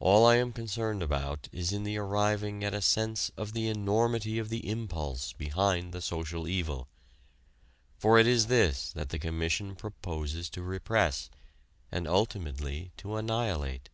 All I am concerned about is in arriving at a sense of the enormity of the impulse behind the "social evil." For it is this that the Commission proposes to repress, and ultimately to annihilate.